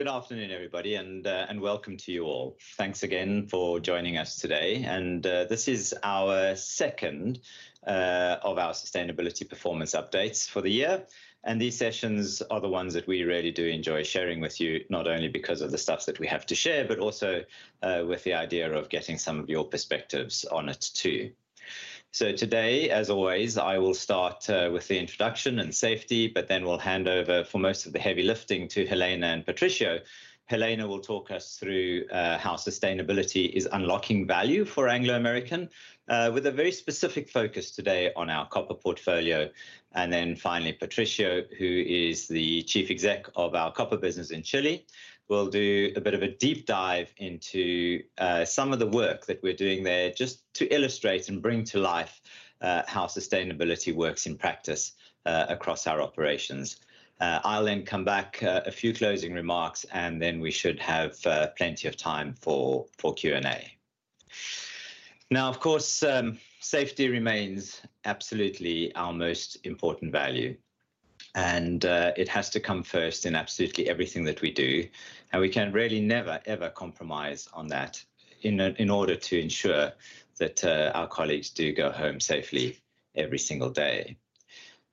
Good afternoon, everybody, and welcome to you all. Thanks again for joining us today. And this is our second of our sustainability performance updates for the year. And these sessions are the ones that we really do enjoy sharing with you, not only because of the stuff that we have to share, but also with the idea of getting some of your perspectives on it, too. So today, as always, I will start with the introduction and safety, but then we'll hand over for most of the heavy lifting to Helena and Patricio. Helena will talk us through how sustainability is unlocking value for Anglo American, with a very specific focus today on our copper portfolio. And then finally, Patricio, who is the chief exec of our copper business in Chile, will do a bit of a deep dive into some of the work that we're doing there, just to illustrate and bring to life how sustainability works in practice across our operations. I'll then come back a few closing remarks, and then we should have plenty of time for Q&A. Now, of course, safety remains absolutely our most important value. And it has to come first in absolutely everything that we do. And we can really never, ever compromise on that in order to ensure that our colleagues do go home safely every single day.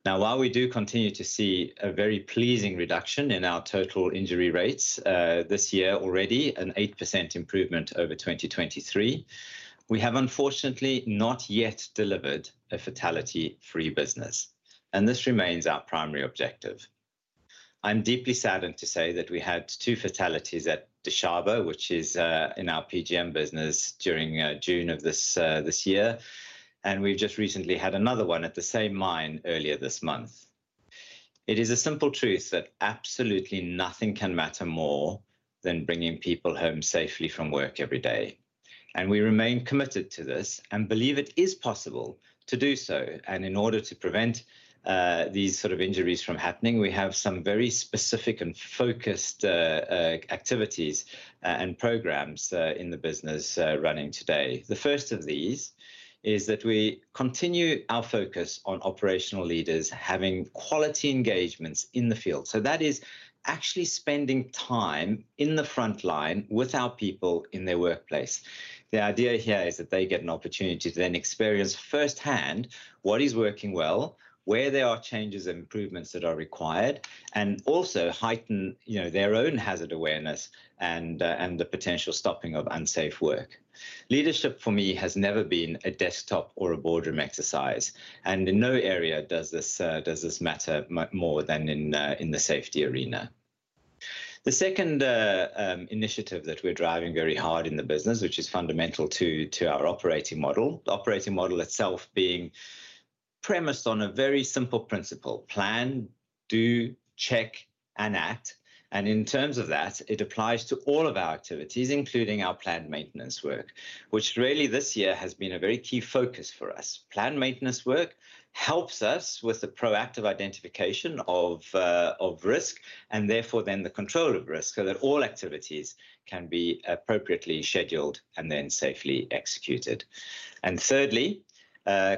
Now, while we do continue to see a very pleasing reduction in our total injury rates this year already, an 8% improvement over 2023, we have unfortunately not yet delivered a fatality-free business. And this remains our primary objective. I'm deeply saddened to say that we had two fatalities at Dishaba, which is in our PGM business during June of this year. We've just recently had another one at the same mine earlier this month. It is a simple truth that absolutely nothing can matter more than bringing people home safely from work every day. We remain committed to this and believe it is possible to do so. In order to prevent these sort of injuries from happening, we have some very specific and focused activities and programs in the business running today. The first of these is that we continue our focus on operational leaders having quality engagements in the field. So that is actually spending time in the front line with our people in their workplace. The idea here is that they get an opportunity to then experience firsthand what is working well, where there are changes and improvements that are required, and also heighten their own hazard awareness and the potential stopping of unsafe work. Leadership, for me, has never been a desktop or a boardroom exercise, and in no area does this matter more than in the safety arena. The second initiative that we're driving very hard in the business, which is fundamental to our operating model, the operating model itself being premised on a very simple principle: plan, do, check, and act, and in terms of that, it applies to all of our activities, including our planned maintenance work, which really this year has been a very key focus for us. Planned maintenance work helps us with the proactive identification of risk and therefore then the control of risk so that all activities can be appropriately scheduled and then safely executed. And thirdly,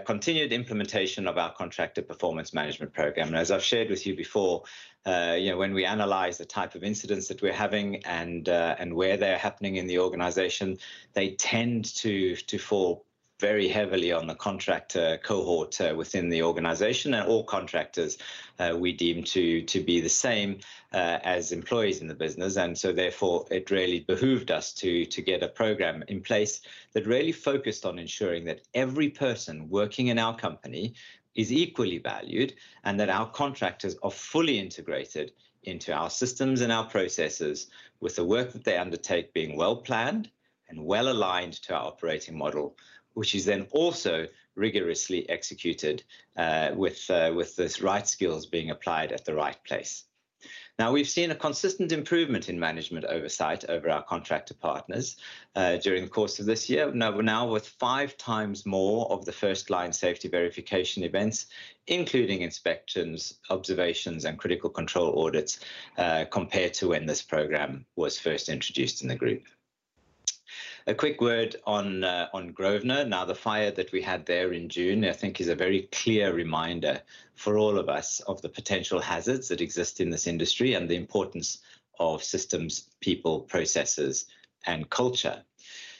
continued implementation of our contractor performance management program. And as I've shared with you before, when we analyze the type of incidents that we're having and where they're happening in the organization, they tend to fall very heavily on the contractor cohort within the organization. And all contractors we deem to be the same as employees in the business. And so therefore, it really behooved us to get a program in place that really focused on ensuring that every person working in our company is equally valued and that our contractors are fully integrated into our systems and our processes, with the work that they undertake being well planned and well aligned to our operating model, which is then also rigorously executed with the right skills being applied at the right place. Now, we've seen a consistent improvement in management oversight over our contractor partners during the course of this year, now with five times more of the first-line safety verification events, including inspections, observations, and critical control audits compared to when this program was first introduced in the group. A quick word on Grosvenor. Now, the fire that we had there in June, I think, is a very clear reminder for all of us of the potential hazards that exist in this industry and the importance of systems, people, processes, and culture.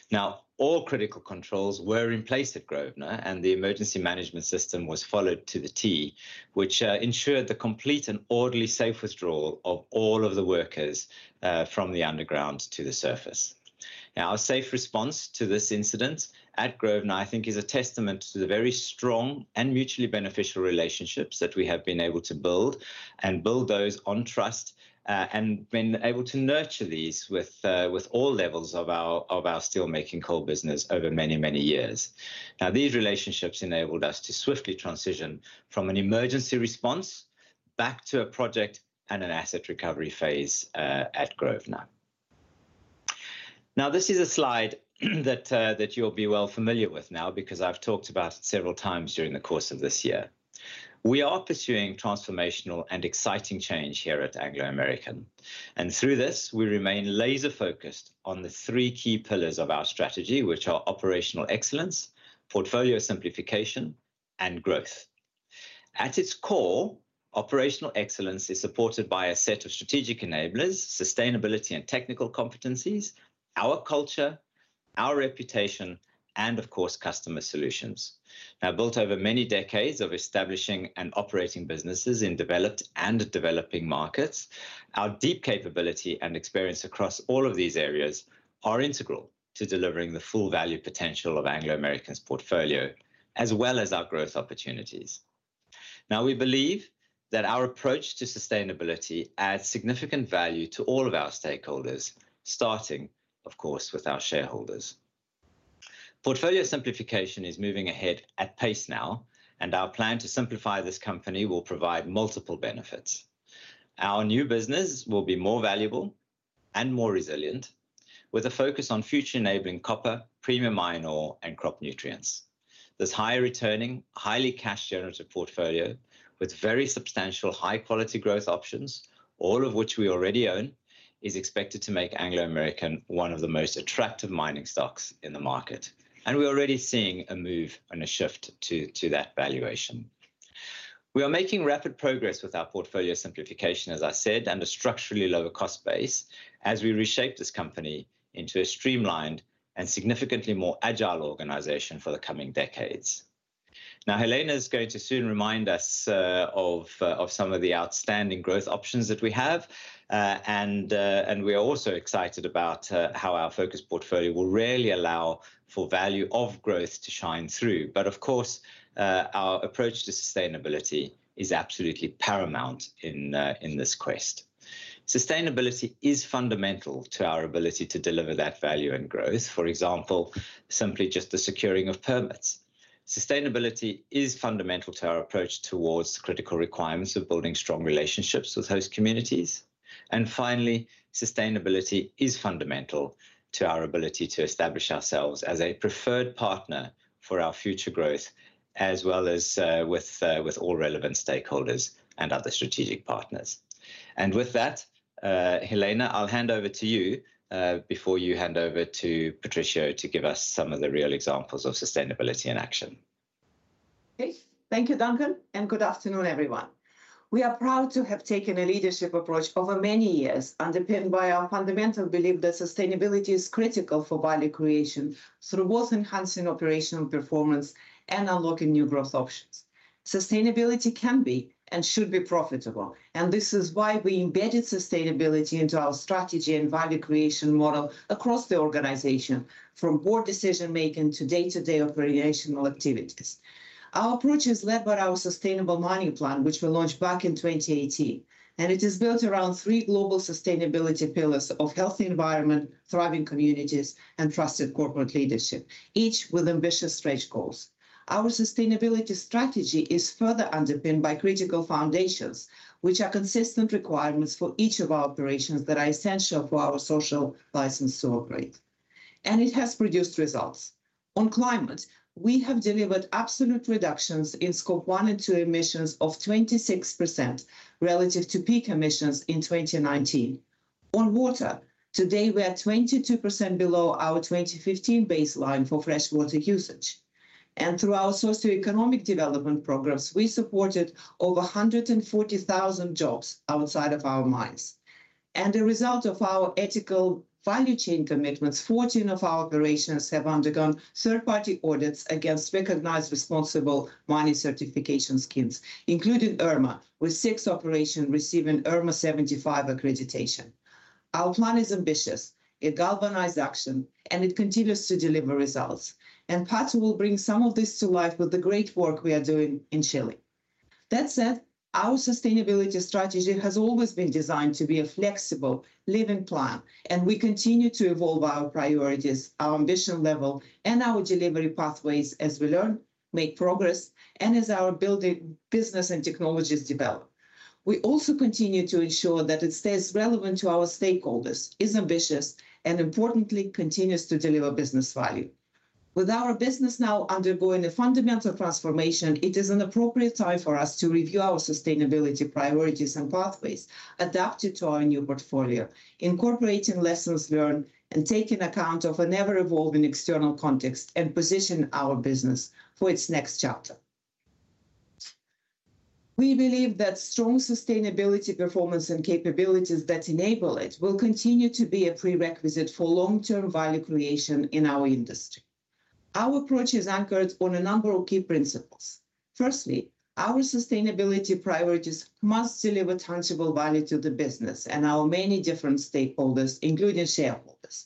Now, all critical controls were in place at Grosvenor, and the emergency management system was followed to the T, which ensured the complete and orderly safe withdrawal of all of the workers from the underground to the surface. Now, our safe response to this incident at Grosvenor, I think, is a testament to the very strong and mutually beneficial relationships that we have been able to build and build those on trust and been able to nurture these with all levels of our steelmaking coal business over many, many years. Now, these relationships enabled us to swiftly transition from an emergency response back to a project and an asset recovery phase at Grosvenor. Now, this is a slide that you'll be well familiar with now because I've talked about it several times during the course of this year. We are pursuing transformational and exciting change here at Anglo American. And through this, we remain laser-focused on the three key pillars of our strategy, which are operational excellence, portfolio simplification, and growth. At its core, operational excellence is supported by a set of strategic enablers, sustainability and technical competencies, our culture, our reputation, and, of course, customer solutions. Now, built over many decades of establishing and operating businesses in developed and developing markets, our deep capability and experience across all of these areas are integral to delivering the full value potential of Anglo American's portfolio, as well as our growth opportunities. Now, we believe that our approach to sustainability adds significant value to all of our stakeholders, starting, of course, with our shareholders. Portfolio simplification is moving ahead at pace now, and our plan to simplify this company will provide multiple benefits. Our new business will be more valuable and more resilient, with a focus on future-enabling copper, premium iron ore, and crop nutrients. This high-returning, highly cash-generative portfolio, with very substantial high-quality growth options, all of which we already own, is expected to make Anglo American one of the most attractive mining stocks in the market, and we're already seeing a move and a shift to that valuation. We are making rapid progress with our portfolio simplification, as I said, and a structurally lower cost base as we reshape this company into a streamlined and significantly more agile organization for the coming decades. Now, Helena is going to soon remind us of some of the outstanding growth options that we have. And we are also excited about how our focus portfolio will really allow for value of growth to shine through. But of course, our approach to sustainability is absolutely paramount in this quest. Sustainability is fundamental to our ability to deliver that value and growth, for example, simply just the securing of permits. Sustainability is fundamental to our approach towards the critical requirements of building strong relationships with host communities. And finally, sustainability is fundamental to our ability to establish ourselves as a preferred partner for our future growth, as well as with all relevant stakeholders and other strategic partners. And with that, Helena, I'll hand over to you before you hand over to Patricio to give us some of the real examples of sustainability in action. Thank you, Duncan, and good afternoon, everyone. We are proud to have taken a leadership approach over many years, underpinned by our fundamental belief that sustainability is critical for value creation through both enhancing operational performance and unlocking new growth options. Sustainability can be and should be profitable, and this is why we embedded sustainability into our strategy and value creation model across the organization, from board decision-making to day-to-day operational activities. Our approach is led by our Sustainable Mining Plan, which we launched back in 2018, and it is built around three global sustainability pillars of healthy environment, thriving communities, and trusted corporate leadership, each with ambitious stretch goals. Our sustainability strategy is further underpinned by critical foundations, which are consistent requirements for each of our operations that are essential for our social license to operate, and it has produced results. On climate, we have delivered absolute reductions in Scope 1 and 2 emissions of 26% relative to peak emissions in 2019. On water, today, we are 22% below our 2015 baseline for freshwater usage. And through our socioeconomic development programs, we supported over 140,000 jobs outside of our mines. As a result of our ethical value chain commitments, 14 of our operations have undergone third-party audits against recognized responsible mining certification schemes, including IRMA, with six operations receiving IRMA 75 accreditation. Our plan is ambitious. It galvanized action, and it continues to deliver results. And Pat will bring some of this to life with the great work we are doing in Chile. That said, our sustainability strategy has always been designed to be a flexible, living plan. And we continue to evolve our priorities, our ambition level, and our delivery pathways as we learn, make progress, and as our business and technologies develop. We also continue to ensure that it stays relevant to our stakeholders, is ambitious, and importantly, continues to deliver business value. With our business now undergoing a fundamental transformation, it is an appropriate time for us to review our sustainability priorities and pathways adapted to our new portfolio, incorporating lessons learned and taking account of an ever-evolving external context and positioning our business for its next chapter. We believe that strong sustainability performance and capabilities that enable it will continue to be a prerequisite for long-term value creation in our industry. Our approach is anchored on a number of key principles. Firstly, our sustainability priorities must deliver tangible value to the business and our many different stakeholders, including shareholders.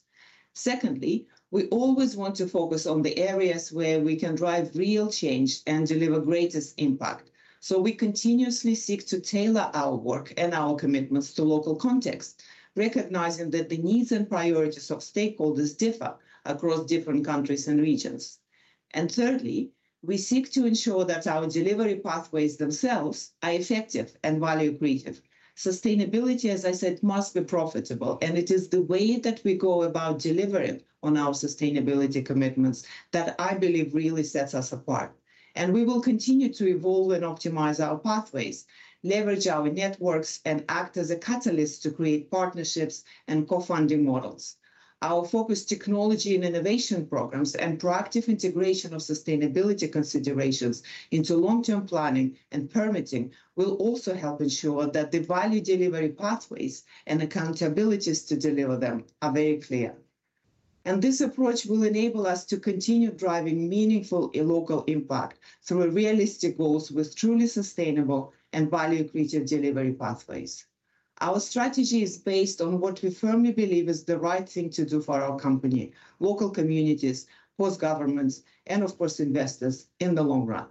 Secondly, we always want to focus on the areas where we can drive real change and deliver greatest impact, so we continuously seek to tailor our work and our commitments to local context, recognizing that the needs and priorities of stakeholders differ across different countries and regions, and thirdly, we seek to ensure that our delivery pathways themselves are effective and value-creative. Sustainability, as I said, must be profitable, and it is the way that we go about delivering on our sustainability commitments that I believe really sets us apart, and we will continue to evolve and optimize our pathways, leverage our networks, and act as a catalyst to create partnerships and co-funding models. Our focused technology and innovation programs and proactive integration of sustainability considerations into long-term planning and permitting will also help ensure that the value delivery pathways and accountabilities to deliver them are very clear. And this approach will enable us to continue driving meaningful local impact through realistic goals with truly sustainable and value-creative delivery pathways. Our strategy is based on what we firmly believe is the right thing to do for our company, local communities, both governments, and, of course, investors in the long run.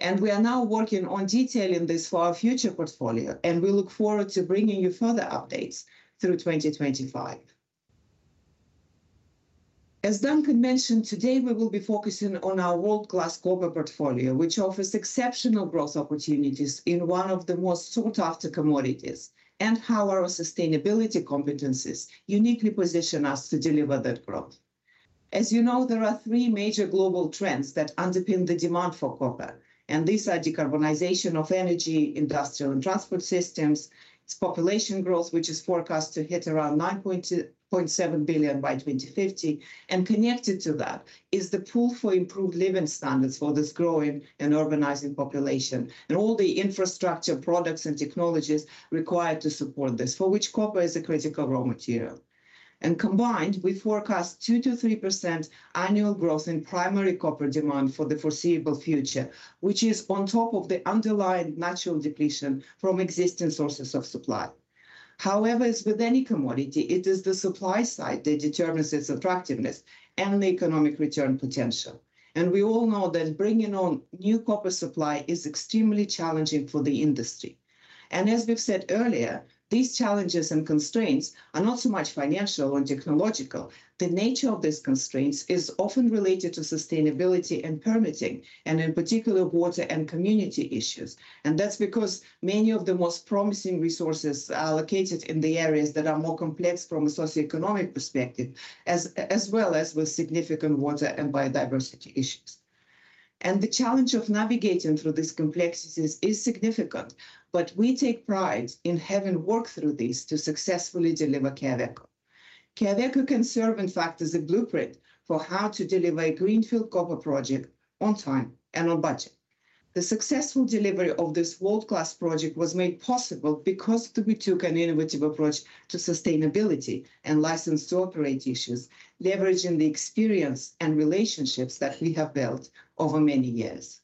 And we are now working on detailing this for our future portfolio. And we look forward to bringing you further updates through 2025. As Duncan mentioned, today, we will be focusing on our world-class copper portfolio, which offers exceptional growth opportunities in one of the most sought-after commodities and how our sustainability competencies uniquely position us to deliver that growth. As you know, there are three major global trends that underpin the demand for copper. And these are decarbonization of energy, industrial, and transport systems, its population growth, which is forecast to hit around 9.7 billion by 2050. Connected to that is the pull for improved living standards for this growing and urbanizing population and all the infrastructure, products, and technologies required to support this, for which copper is a critical raw material. Combined, we forecast 2%-3% annual growth in primary copper demand for the foreseeable future, which is on top of the underlying natural depletion from existing sources of supply. However, as with any commodity, it is the supply side that determines its attractiveness and the economic return potential. We all know that bringing on new copper supply is extremely challenging for the industry. As we've said earlier, these challenges and constraints are not so much financial or technological. The nature of these constraints is often related to sustainability and permitting, and in particular, water and community issues. And that's because many of the most promising resources are located in the areas that are more complex from a socioeconomic perspective, as well as with significant water and biodiversity issues. And the challenge of navigating through these complexities is significant, but we take pride in having worked through these to successfully deliver Quellaveco. Quellaveco can serve, in fact, as a blueprint for how to deliver a greenfield copper project on time and on budget. The successful delivery of this world-class project was made possible because we took an innovative approach to sustainability and license to operate issues, leveraging the experience and relationships that we have built over many years.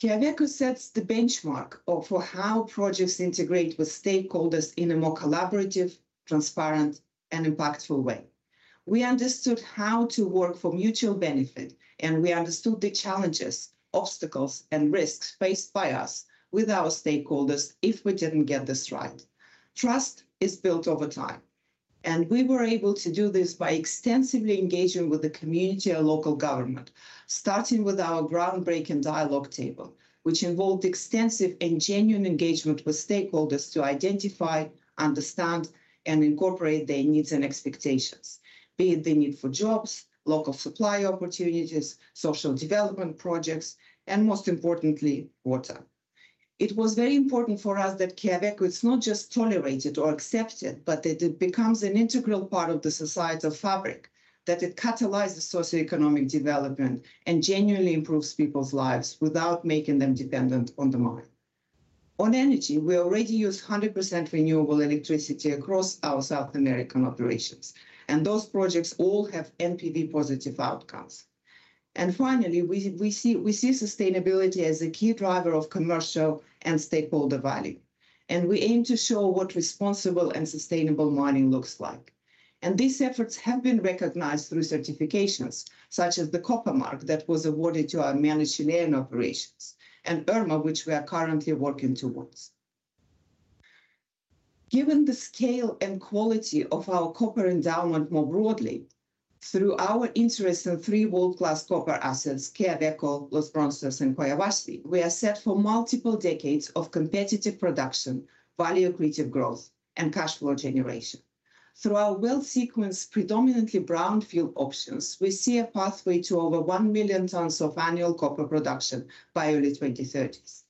Quellaveco sets the benchmark for how projects integrate with stakeholders in a more collaborative, transparent, and impactful way. We understood how to work for mutual benefit, and we understood the challenges, obstacles, and risks faced by us with our stakeholders if we didn't get this right. Trust is built over time, and we were able to do this by extensively engaging with the community and local government, starting with our groundbreaking dialogue table, which involved extensive and genuine engagement with stakeholders to identify, understand, and incorporate their needs and expectations, be it the need for jobs, local supply opportunities, social development projects, and most importantly, water. It was very important for us that Quellaveco is not just tolerated or accepted, but that it becomes an integral part of the societal fabric, that it catalyzes socioeconomic development and genuinely improves people's lives without making them dependent on the mine. On energy, we already use 100% renewable electricity across our South American operations, and those projects all have NPV-positive outcomes. Finally, we see sustainability as a key driver of commercial and stakeholder value. We aim to show what responsible and sustainable mining looks like. These efforts have been recognized through certifications such as the Copper Mark that was awarded to our mainly Chilean operations and IRMA, which we are currently working towards. Given the scale and quality of our copper endowment more broadly, through our interest in three world-class copper assets, Quellaveco, Los Bronces, and Collahuasi, we are set for multiple decades of competitive production, value-creative growth, and cash flow generation. Through our well-sequenced, predominantly brownfield options, we see a pathway to over 1 million tons of annual copper production by early 2030s.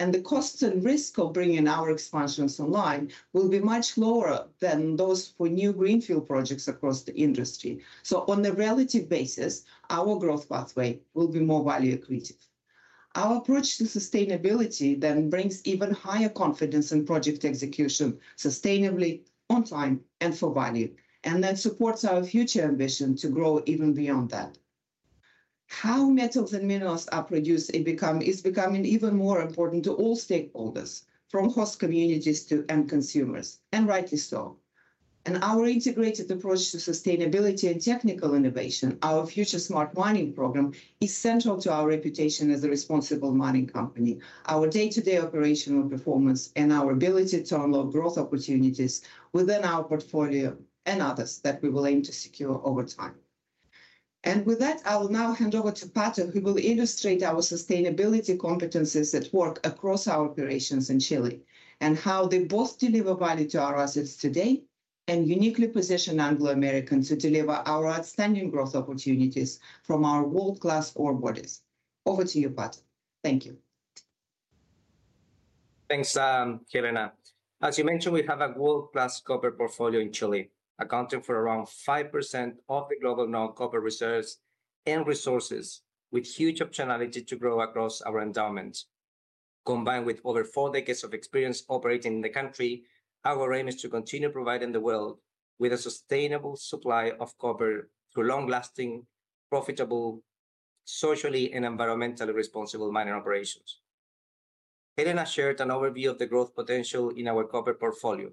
The cost and risk of bringing our expansions online will be much lower than those for new greenfield projects across the industry. So on a relative basis, our growth pathway will be more value-creative. Our approach to sustainability then brings even higher confidence in project execution sustainably, on time, and for value. And that supports our future ambition to grow even beyond that. How metals and minerals are produced is becoming even more important to all stakeholders, from host communities to end consumers. And rightly so. And our integrated approach to sustainability and technical innovation, our FutureSmart Mining program, is central to our reputation as a responsible mining company, our day-to-day operational performance, and our ability to unlock growth opportunities within our portfolio and others that we will aim to secure over time. And with that, I'll now hand over to Pat, who will illustrate our sustainability competencies at work across our operations in Chile and how they both deliver value to our assets today and uniquely position Anglo American to deliver our outstanding growth opportunities from our world-class ore bodies. Over to you, Pat. Thank you. Thanks, Helena. As you mentioned, we have a world-class copper portfolio in Chile, accounting for around 5% of the global known copper reserves and resources, with huge optionality to grow across our endowments. Combined with over four decades of experience operating in the country, our aim is to continue providing the world with a sustainable supply of copper through long-lasting, profitable, socially, and environmentally responsible mining operations. Helena shared an overview of the growth potential in our copper portfolio.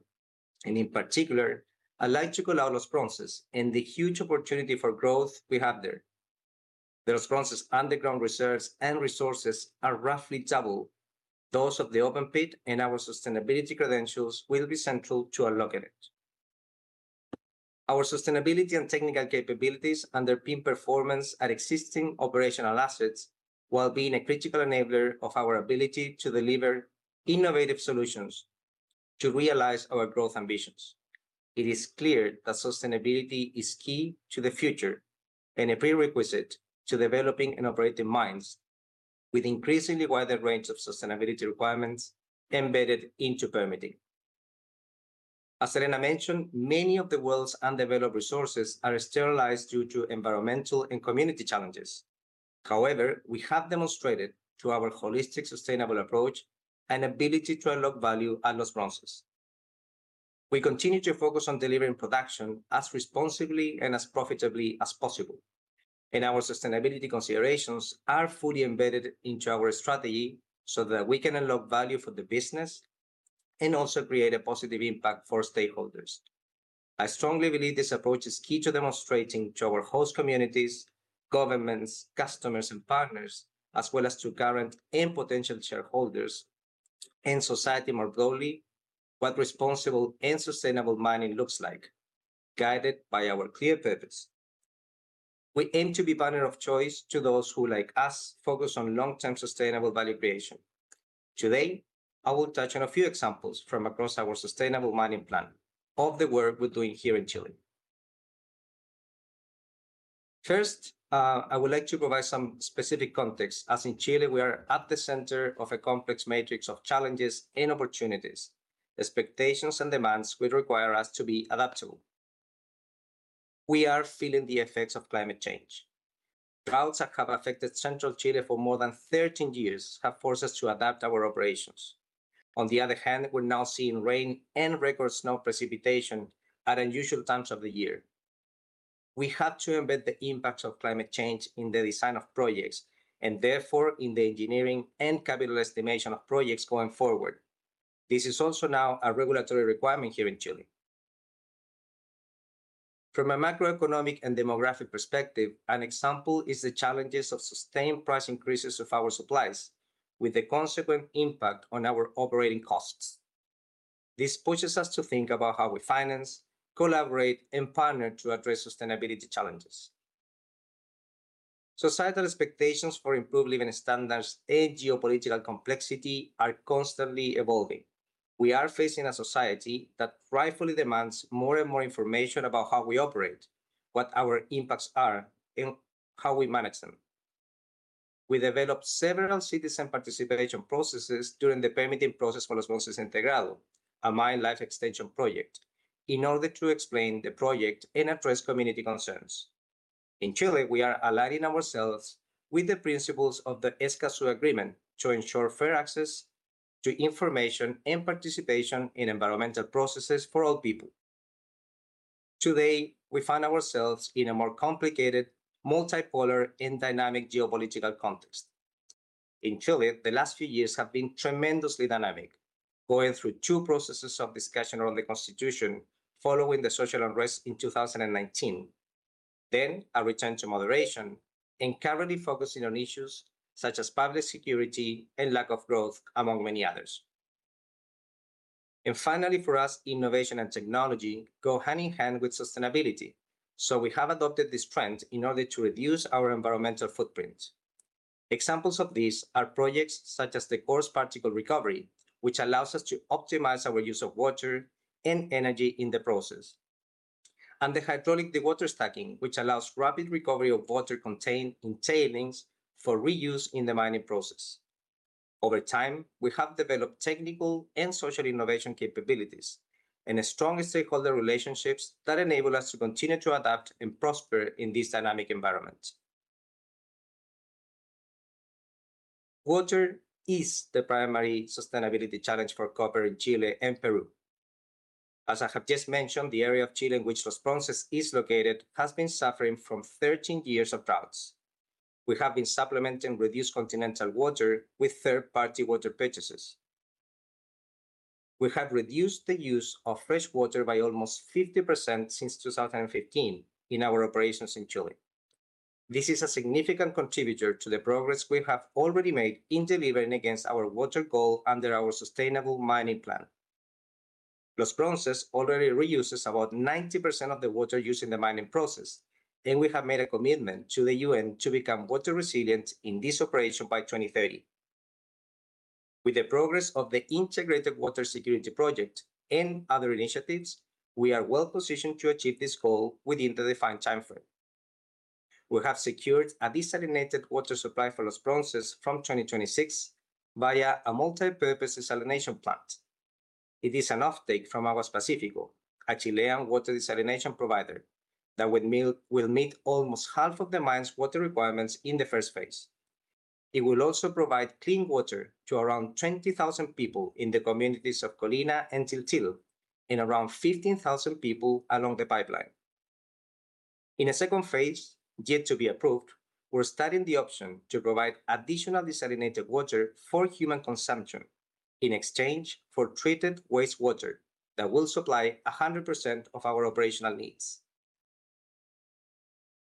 And in particular, I'd like to call out Los Broncos and the huge opportunity for growth we have there. The Los Broncos underground reserves and resources are roughly double those of the open pit, and our sustainability credentials will be central to unlocking it. Our sustainability and technical capabilities underpin performance at existing operational assets while being a critical enabler of our ability to deliver innovative solutions to realize our growth ambitions. It is clear that sustainability is key to the future and a prerequisite to developing and operating mines with increasingly wider range of sustainability requirements embedded into permitting. As Helena mentioned, many of the world's undeveloped resources are sterilized due to environmental and community challenges. However, we have demonstrated through our holistic sustainable approach an ability to unlock value at Los Broncos. We continue to focus on delivering production as responsibly and as profitably as possible, and our sustainability considerations are fully embedded into our strategy so that we can unlock value for the business and also create a positive impact for stakeholders. I strongly believe this approach is key to demonstrating to our host communities, governments, customers, and partners, as well as to current and potential shareholders and society more globally what responsible and sustainable mining looks like, guided by our clear purpose. We aim to be a partner of choice to those who, like us, focus on long-term sustainable value creation. Today, I will touch on a few examples from across our sustainable mining plan of the work we're doing here in Chile. First, I would like to provide some specific context, as in Chile, we are at the center of a complex matrix of challenges and opportunities, expectations, and demands which require us to be adaptable. We are feeling the effects of climate change. Droughts that have affected central Chile for more than 13 years have forced us to adapt our operations. On the other hand, we're now seeing rain and record snow precipitation at unusual times of the year. We have to embed the impacts of climate change in the design of projects and therefore in the engineering and capital estimation of projects going forward. This is also now a regulatory requirement here in Chile. From a macroeconomic and demographic perspective, an example is the challenges of sustained price increases of our supplies, with the consequent impact on our operating costs. This pushes us to think about how we finance, collaborate, and partner to address sustainability challenges. Societal expectations for improved living standards and geopolitical complexity are constantly evolving. We are facing a society that rightfully demands more and more information about how we operate, what our impacts are, and how we manage them. We developed several citizen participation processes during the permitting process for Los Broncos Integrado, a mine life extension project, in order to explain the project and address community concerns. In Chile, we are aligning ourselves with the principles of the Escazú Agreement to ensure fair access to information and participation in environmental processes for all people. Today, we find ourselves in a more complicated, multipolar, and dynamic geopolitical context. In Chile, the last few years have been tremendously dynamic, going through two processes of discussion around the Constitution following the social unrest in 2019, then a return to moderation, and currently focusing on issues such as public security and lack of growth, among many others, and finally, for us, innovation and technology go hand in hand with sustainability, so we have adopted this trend in order to reduce our environmental footprint. Examples of these are projects such as the Coarse Particle Recovery, which allows us to optimize our use of water and energy in the process, and the Hydraulic Dewatered Stacking, which allows rapid recovery of water contained in tailings for reuse in the mining process. Over time, we have developed technical and social innovation capabilities and strong stakeholder relationships that enable us to continue to adapt and prosper in this dynamic environment. Water is the primary sustainability challenge for copper in Chile and Peru. As I have just mentioned, the area of Chile in which Los Broncos is located has been suffering from 13 years of droughts. We have been supplementing reduced continental water with third-party water purchases. We have reduced the use of fresh water by almost 50% since 2015 in our operations in Chile. This is a significant contributor to the progress we have already made in delivering against our water goal under our sustainable mining plan. Los Broncos already reuses about 90% of the water used in the mining process, and we have made a commitment to the U.N. to become water resilient in this operation by 2030. With the progress of the Integrated Water Security Project and other initiatives, we are well positioned to achieve this goal within the defined timeframe. We have secured a desalinated water supply for Los Broncos from 2026 via a multipurpose desalination plant. It is an offtake from Aguas Pacífico, a Chilean water desalination provider, that will meet almost half of the mine's water requirements in the first phase. It will also provide clean water to around 20,000 people in the communities of Colina and Til Til and around 15,000 people along the pipeline. In a second phase, yet to be approved, we're studying the option to provide additional desalinated water for human consumption in exchange for treated wastewater that will supply 100% of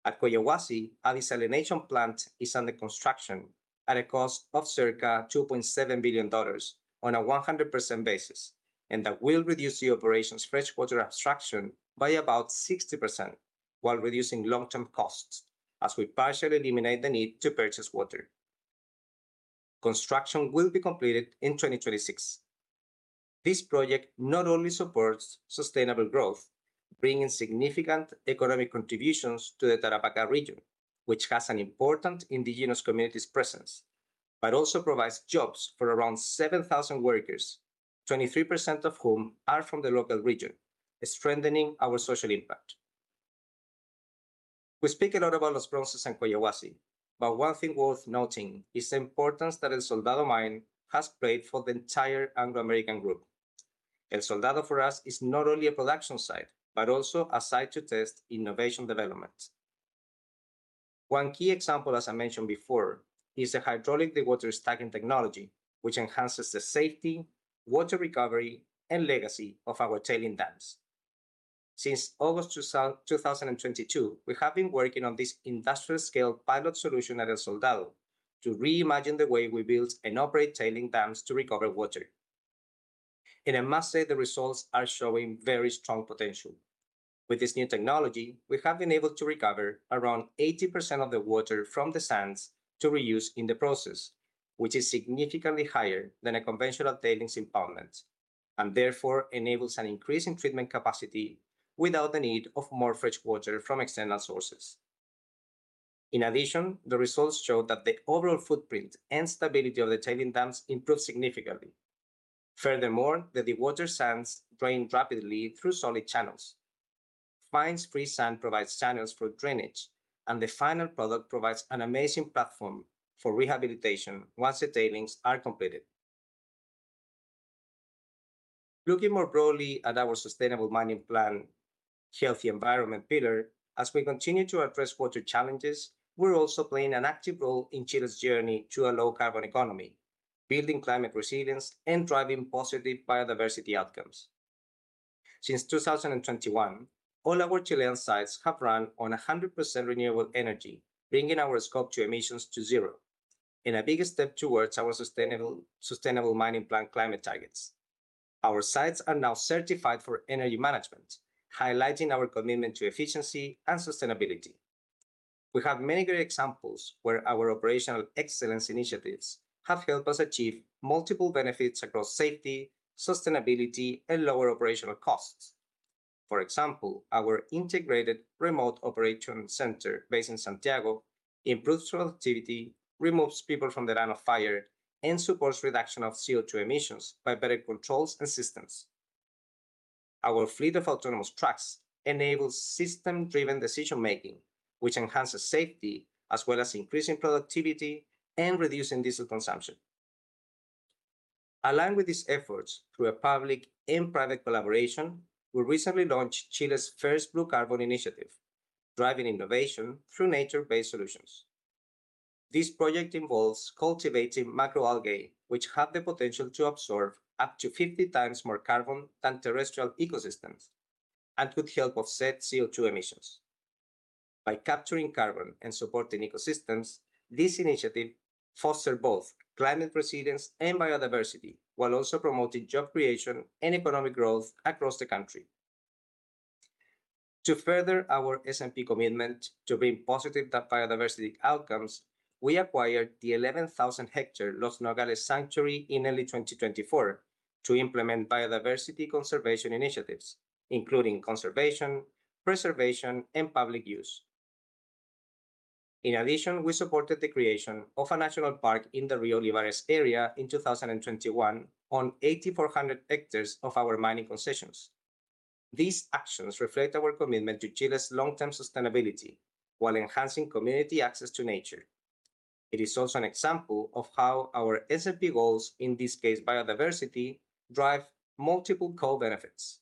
our operational needs. At Cuayaguasi, a desalination plant is under construction at a cost of circa $2.7 billion on a 100% basis, and that will reduce the operation's freshwater abstraction by about 60% while reducing long-term costs as we partially eliminate the need to purchase water. Construction will be completed in 2026. This project not only supports sustainable growth, bringing significant economic contributions to the Tarapacá region, which has an important indigenous community's presence, but also provides jobs for around 7,000 workers, 23% of whom are from the local region, strengthening our social impact. We speak a lot about Los Broncos and Cuayaguasi, but one thing worth noting is the importance that El Soldado Mine has played for the entire Anglo American Group. El Soldado, for us, is not only a production site, but also a site to test innovation development. One key example, as I mentioned before, is the Hydraulic Dewatered Stacking technology, which enhances the safety, water recovery, and legacy of our tailings dams. Since August 2022, we have been working on this industrial-scale pilot solution at El Soldado to reimagine the way we build and operate tailings dams to recover water. I must say, the results are showing very strong potential. With this new technology, we have been able to recover around 80% of the water from the sands to reuse in the process, which is significantly higher than a conventional tailings impoundment and therefore enables an increase in treatment capacity without the need of more fresh water from external sources. In addition, the results show that the overall footprint and stability of the tailings dams improved significantly. Furthermore, the dewatered sands drain rapidly through solid channels. Fine spray sand provides channels for drainage, and the final product provides an amazing platform for rehabilitation once the tailings are completed. Looking more broadly at our sustainable mining plan, Healthy Environment Pillar, as we continue to address water challenges, we're also playing an active role in Chile's journey to a low-carbon economy, building climate resilience and driving positive biodiversity outcomes. Since 2021, all our Chilean sites have run on 100% renewable energy, bringing our Scope 1 and 2 emissions to zero and a bigger step towards our sustainable mining planet climate targets. Our sites are now certified for energy management, highlighting our commitment to efficiency and sustainability. We have many great examples where our operational excellence initiatives have helped us achieve multiple benefits across safety, sustainability, and lower operational costs. For example, our Integrated Remote Operation Centre based in Santiago improves productivity, removes people from the line of fire, and supports reduction of CO2 emissions by better controls and systems. Our fleet of autonomous trucks enables system-driven decision-making, which enhances safety as well as increasing productivity and reducing diesel consumption. Aligned with these efforts through a public and private collaboration, we recently launched Chile's first Blue Carbon Initiative, Driving Innovation Through Nature-Based Solutions. This project involves cultivating microalgae, which have the potential to absorb up to 50 times more carbon than terrestrial ecosystems and could help offset CO2 emissions. By capturing carbon and supporting ecosystems, this initiative fosters both climate resilience and biodiversity while also promoting job creation and economic growth across the country. To further our SMP commitment to bring positive biodiversity outcomes, we acquired the 11,000-hectare Los Nogales Sanctuary in early 2024 to implement biodiversity conservation initiatives, including conservation, preservation, and public use. In addition, we supported the creation of a national park in the Rio Olivares area in 2021 on 8,400 hectares of our mining concessions. These actions reflect our commitment to Chile's long-term sustainability while enhancing community access to nature. It is also an example of how our SMP goals, in this case, biodiversity, drive multiple co-benefits.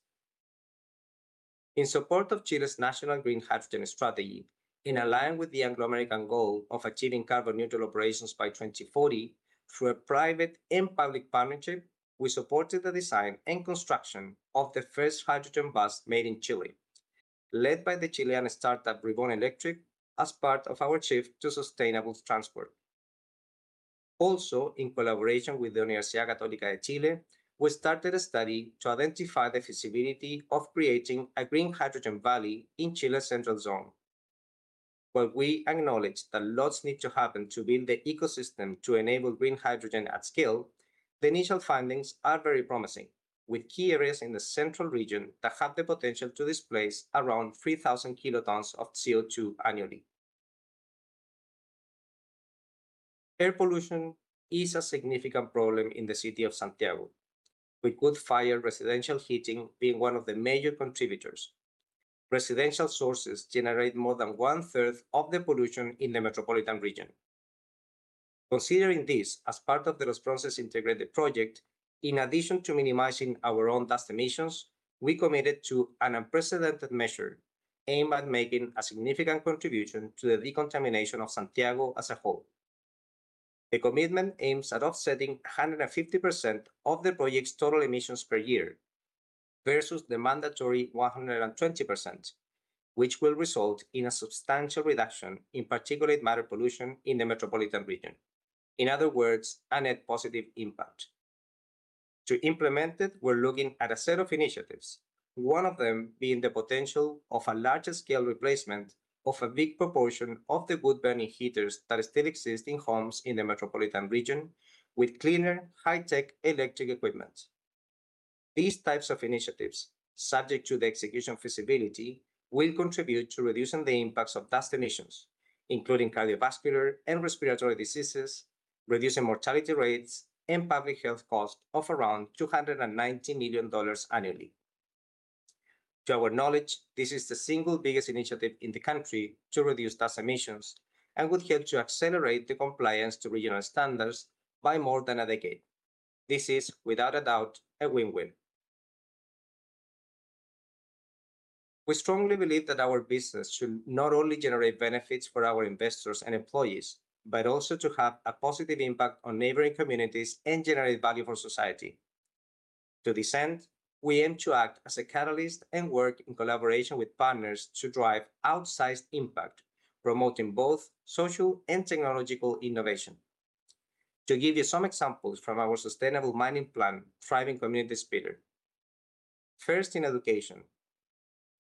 In support of Chile's National Green Hydrogen Strategy, in alignment with the Anglo American goal of achieving carbon-neutral operations by 2040 through a private and public partnership, we supported the design and construction of the first hydrogen bus made in Chile, led by the Chilean startup Reborn Electric Motors as part of our shift to sustainable transport. Also, in collaboration with the Universidad Católica de Chile, we started a study to identify the feasibility of creating a green hydrogen valley in Chile's central zone. While we acknowledge that lots need to happen to build the ecosystem to enable green hydrogen at scale, the initial findings are very promising, with key areas in the central region that have the potential to displace around 3,000 kilotons of CO2 annually. Air pollution is a significant problem in the city of Santiago, with wood fire residential heating being one of the major contributors. Residential sources generate more than one-third of the pollution in the metropolitan region. Considering this as part of the Los Broncos Integrado, in addition to minimizing our own dust emissions, we committed to an unprecedented measure aimed at making a significant contribution to the decontamination of Santiago as a whole. The commitment aims at offsetting 150% of the project's total emissions per year versus the mandatory 120%, which will result in a substantial reduction in particulate matter pollution in the metropolitan region. In other words, a net positive impact. To implement it, we're looking at a set of initiatives, one of them being the potential of a larger scale replacement of a big proportion of the wood-burning heaters that still exist in homes in the metropolitan region with cleaner high-tech electric equipment. These types of initiatives, subject to the execution feasibility, will contribute to reducing the impacts of dust emissions, including cardiovascular and respiratory diseases, reducing mortality rates, and public health costs of around $290 million annually. To our knowledge, this is the single biggest initiative in the country to reduce dust emissions and would help to accelerate the compliance to regional standards by more than a decade. This is, without a doubt, a win-win. We strongly believe that our business should not only generate benefits for our investors and employees, but also to have a positive impact on neighboring communities and generate value for society. To this end, we aim to act as a catalyst and work in collaboration with partners to drive outsized impact, promoting both social and technological innovation. To give you some examples from our sustainable mining plan, Driving Communities Pillar. First, in education.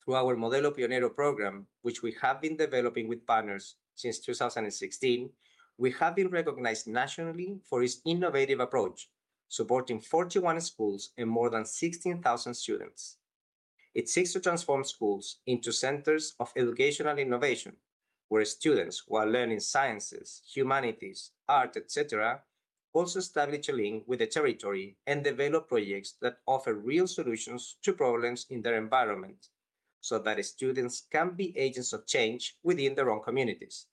Through our Modelo Pionero program, which we have been developing with partners since 2016, we have been recognized nationally for its innovative approach, supporting 41 schools and more than 16,000 students. It seeks to transform schools into centers of educational innovation, where students, while learning sciences, humanities, art, etc., also establish a link with the territory and develop projects that offer real solutions to problems in their environment so that students can be agents of change within their own communities.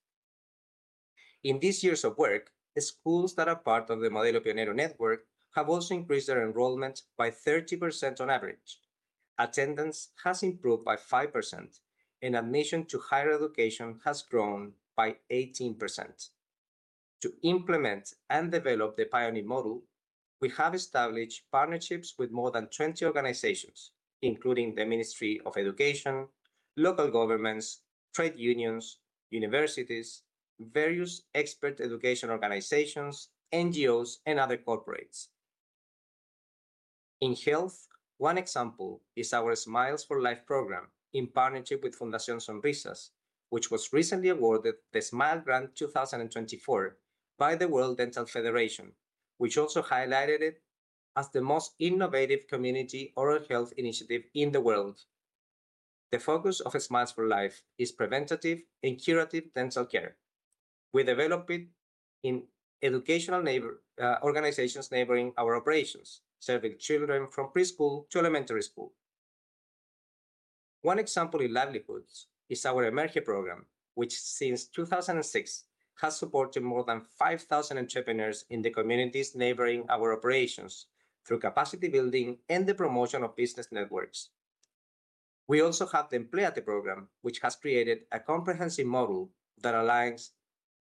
In these years of work, the schools that are part of the Modelo Pionero network have also increased their enrollment by 30% on average. Attendance has improved by 5%, and admission to higher education has grown by 18%. To implement and develop the Pioneer model, we have established partnerships with more than 20 organizations, including the Ministry of Education, local governments, trade unions, universities, various expert education organizations, NGOs, and other corporates. In health, one example is our Smiles for Life program in partnership with Fundación Sonrisas, which was recently awarded the Smile Grant 2024 by the World Dental Federation, which also highlighted it as the most innovative community oral health initiative in the world. The focus of Smiles for Life is preventative and curative dental care. We develop it in educational organizations neighboring our operations, serving children from preschool to elementary school. One example in livelihoods is our Emerge program, which since 2006 has supported more than 5,000 entrepreneurs in the communities neighboring our operations through capacity building and the promotion of business networks. We also have the Empleate program, which has created a comprehensive model that aligns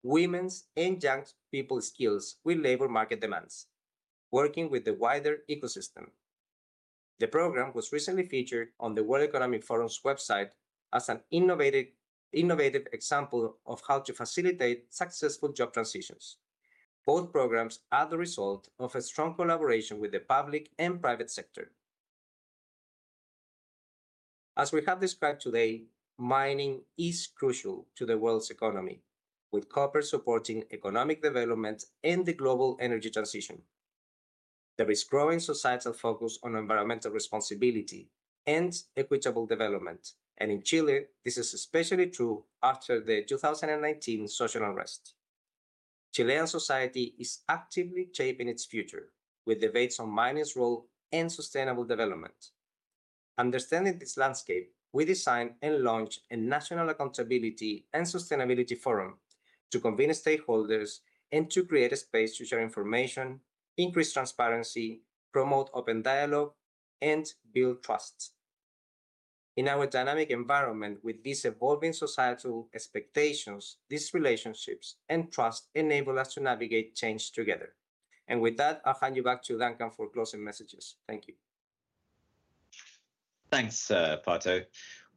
women's and young people's skills with labor market demands, working with the wider ecosystem. The program was recently featured on the World Economic Forum's website as an innovative example of how to facilitate successful job transitions. Both programs are the result of a strong collaboration with the public and private sector. As we have described today, mining is crucial to the world's economy, with copper supporting economic development and the global energy transition. There is growing societal focus on environmental responsibility and equitable development, and in Chile, this is especially true after the 2019 social unrest. Chilean society is actively shaping its future with debates on mining's role and sustainable development. Understanding this landscape, we designed and launched a National Accountability and Sustainability Forum to convene stakeholders and to create a space to share information, increase transparency, promote open dialogue, and build trust. In our dynamic environment, with these evolving societal expectations, these relationships and trust enable us to navigate change together. And with that, I'll hand you back to Duncan for closing messages. Thank you. Thanks, Pat.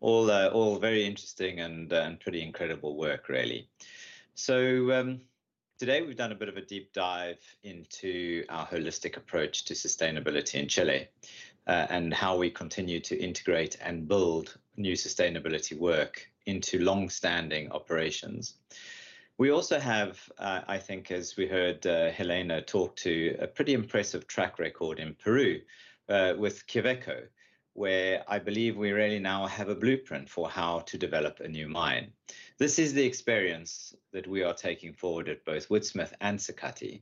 All very interesting and pretty incredible work, really. So today we've done a bit of a deep dive into our holistic approach to sustainability in Chile and how we continue to integrate and build new sustainability work into long-standing operations. We also have, I think, as we heard Helena talk to, a pretty impressive track record in Peru with Quellaveco, where I believe we really now have a blueprint for how to develop a new mine. This is the experience that we are taking forward at both Woodsmith and Sakati,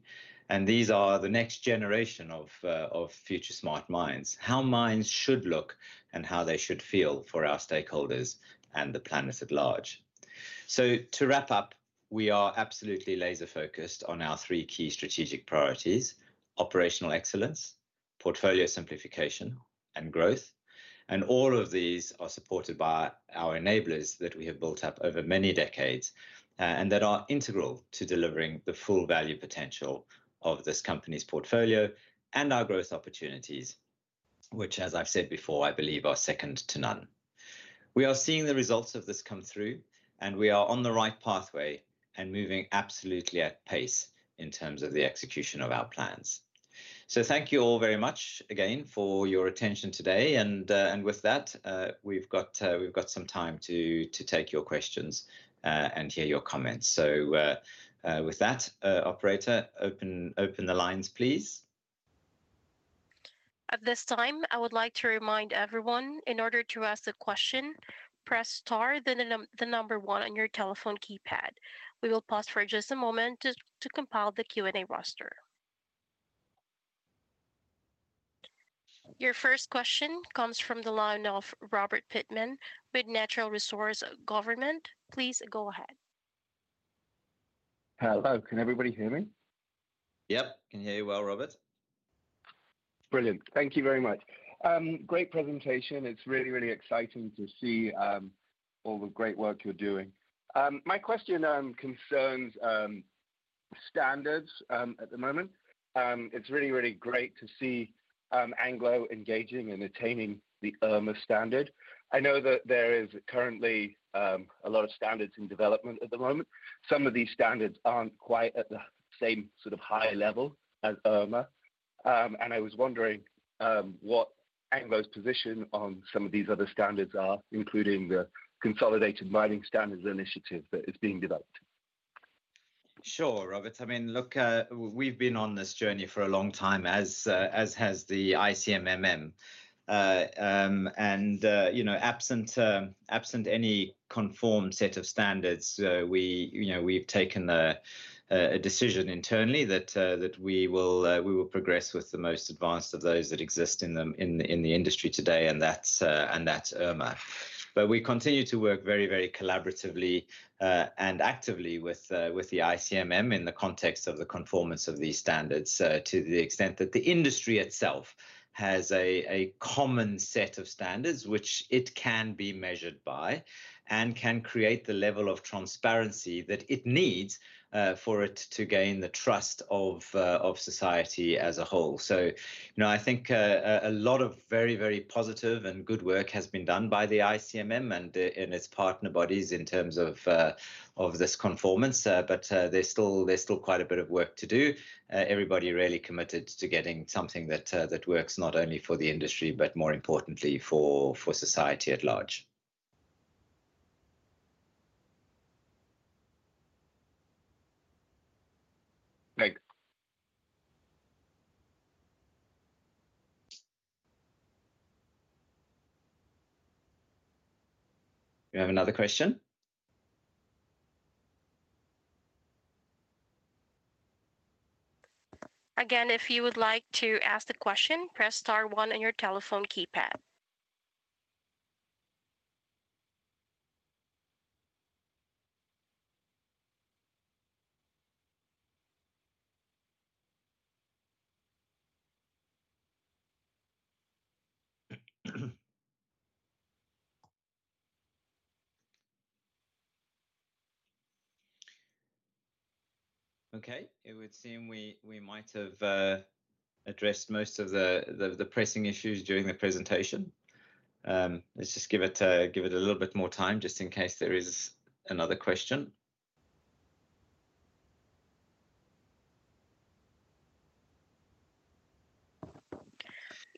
and these are the next generation of future smart mines, how mines should look and how they should feel for our stakeholders and the planet at large, so to wrap up, we are absolutely laser-focused on our three key strategic priorities: operational excellence, portfolio simplification, and growth, and all of these are supported by our enablers that we have built up over many decades and that are integral to delivering the full value potential of this company's portfolio and our growth opportunities, which, as I've said before, I believe are second to none. We are seeing the results of this come through, and we are on the right pathway and moving absolutely at pace in terms of the execution of our plans, so thank you all very much again for your attention today. And with that, we've got some time to take your questions and hear your comments. So with that, Operator, open the lines, please. At this time, I would like to remind everyone, in order to ask a question, press star then the number one on your telephone keypad. We will pause for just a moment to compile the Q&A roster. Your first question comes from the line of Robert Pitman with Natural Resource Governance Institute. Please go ahead. Hello, can everybody hear me? Yep, can hear you well, Robert. Brilliant. Thank you very much. Great presentation. It's really, really exciting to see all the great work you're doing. My question concerns standards at the moment. It's really, really great to see Anglo engaging and attaining the IRMA standard. I know that there is currently a lot of standards in development at the moment. Some of these standards aren't quite at the same sort of high level as IRMA. And I was wondering what Anglo's position on some of these other standards are, including the Consolidated Mining Standards Initiative that is being developed? Sure, Robert. I mean, look, we've been on this journey for a long time, as has the ICMM. And absent any conformed set of standards, we've taken a decision internally that we will progress with the most advanced of those that exist in the industry today, and that's IRMA. But we continue to work very, very collaboratively and actively with the ICMM in the context of the conformance of these standards, to the extent that the industry itself has a common set of standards, which it can be measured by and can create the level of transparency that it needs for it to gain the trust of society as a whole. So I think a lot of very, very positive and good work has been done by the ICMM and its partner bodies in terms of this conformance, but there's still quite a bit of work to do. Everybody really committed to getting something that works not only for the industry, but more importantly, for society at large. Thanks. Do we have another question? Again, if you would like to ask the question, press star one on your telephone keypad. Okay, it would seem we might have addressed most of the pressing issues during the presentation. Let's just give it a little bit more time just in case there is another question.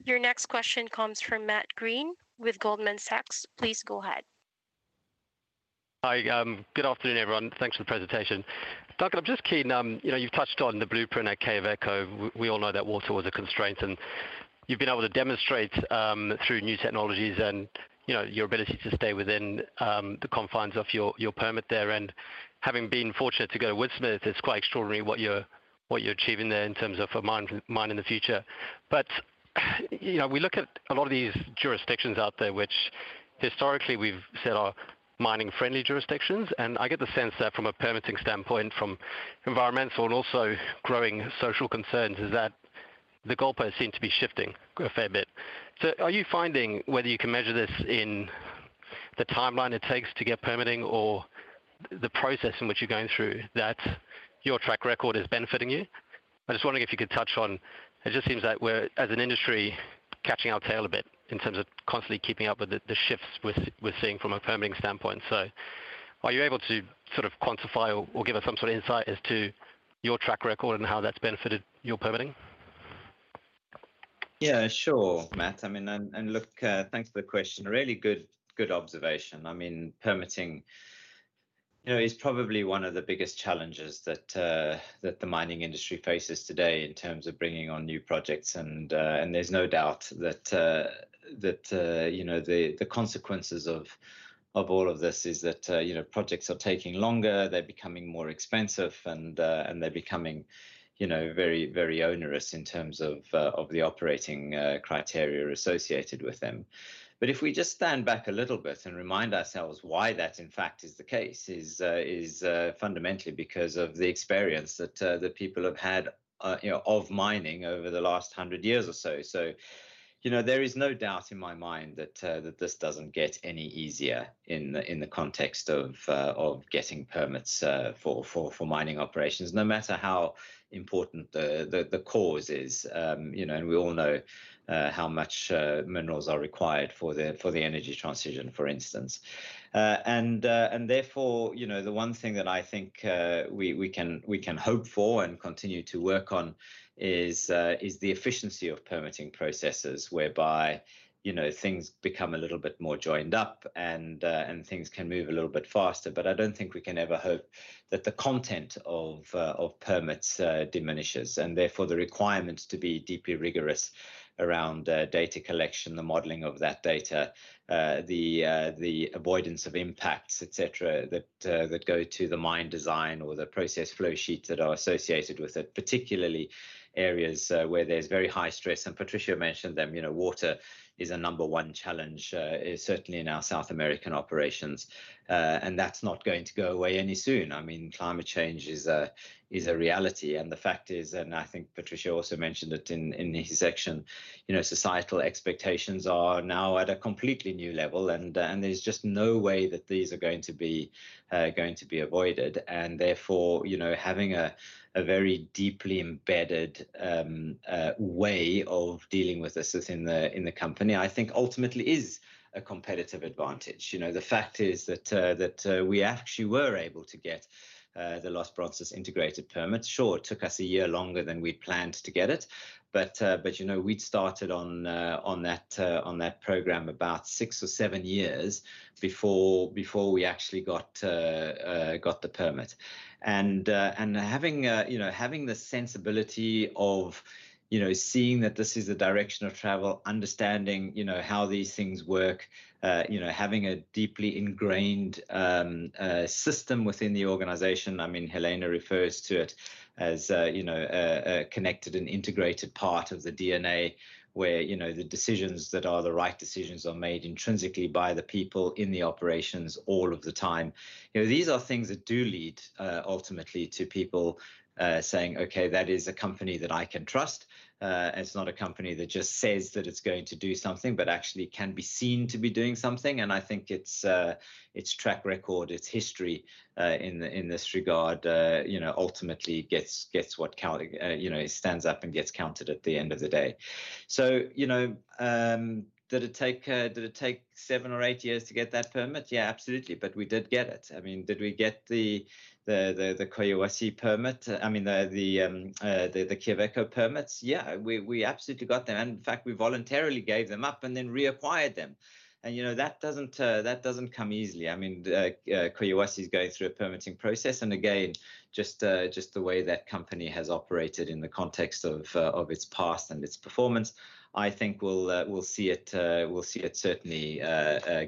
Your next question comes from Matt Green with Goldman Sachs. Please go ahead. Hi, good afternoon, everyone. Thanks for the presentation. Duncan, I'm just keen, you've touched on the blueprint at Quellaveco. We all know that water was a constraint, and you've been able to demonstrate through new technologies and your ability to stay within the confines of your permit there. And having been fortunate to go to Woodsmith, it's quite extraordinary what you're achieving there in terms of a mine in the future. But we look at a lot of these jurisdictions out there, which historically we've said are mining-friendly jurisdictions. And I get the sense that from a permitting standpoint, from environmental and also growing social concerns, is that the goalposts seem to be shifting a fair bit. So are you finding whether you can measure this in the timeline it takes to get permitting or the process in which you're going through that your track record is benefiting you? I just wondered if you could touch on, it just seems that we're, as an industry, catching our tail a bit in terms of constantly keeping up with the shifts we're seeing from a permitting standpoint. So are you able to sort of quantify or give us some sort of insight as to your track record and how that's benefited your permitting? Yeah, sure, Matt. I mean, and look, thanks for the question. Really good observation. I mean, permitting is probably one of the biggest challenges that the mining industry faces today in terms of bringing on new projects. And there's no doubt that the consequences of all of this is that projects are taking longer, they're becoming more expensive, and they're becoming very onerous in terms of the operating criteria associated with them. But if we just stand back a little bit and remind ourselves why that, in fact, is the case, it's fundamentally because of the experience that the people have had of mining over the last 100 years or so. So there is no doubt in my mind that this doesn't get any easier in the context of getting permits for mining operations, no matter how important the cause is. And we all know how much minerals are required for the energy transition, for instance. And therefore, the one thing that I think we can hope for and continue to work on is the efficiency of permitting processes whereby things become a little bit more joined up and things can move a little bit faster. But I don't think we can ever hope that the content of permits diminishes and therefore the requirements to be deeply rigorous around data collection, the modeling of that data, the avoidance of impacts, etc., that go to the mine design or the process flow sheets that are associated with it, particularly areas where there's very high stress. And Patricio mentioned them. Water is a number one challenge, certainly in our South American operations. And that's not going to go away any soon. I mean, climate change is a reality. And the fact is, and I think Patricio also mentioned it in his section, societal expectations are now at a completely new level, and there's just no way that these are going to be avoided. And therefore, having a very deeply embedded way of dealing with this within the company, I think ultimately is a competitive advantage. The fact is that we actually were able to get the Los Broncos integrated permit. Sure, it took us a year longer than we'd planned to get it, but we'd started on that program about six or seven years before we actually got the permit, and having the sensibility of seeing that this is a direction of travel, understanding how these things work, having a deeply ingrained system within the organization, I mean, Helena refers to it as a connected and integrated part of the DNA where the decisions that are the right decisions are made intrinsically by the people in the operations all of the time, these are things that do lead ultimately to people saying, "Okay, that is a company that I can trust." It's not a company that just says that it's going to do something, but actually can be seen to be doing something. I think its track record, its history in this regard ultimately gets what stands up and gets counted at the end of the day. Did it take seven or eight years to get that permit? Yeah, absolutely. But we did get it. I mean, did we get the Quellaveco permit? I mean, the Quellaveco permits? Yeah, we absolutely got them. In fact, we voluntarily gave them up and then reacquired them. That doesn't come easily. I mean, Quellaveco is going through a permitting process. Again, just the way that company has operated in the context of its past and its performance, I think we'll see it certainly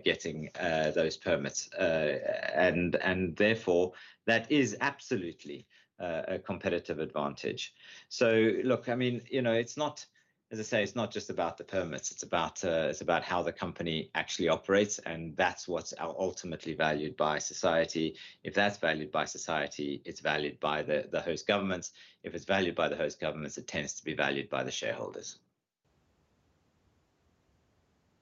getting those permits. Therefore, that is absolutely a competitive advantage. Look, I mean, it's not, as I say, it's not just about the permits. It's about how the company actually operates, and that's what's ultimately valued by society. If that's valued by society, it's valued by the host governments. If it's valued by the host governments, it tends to be valued by the shareholders.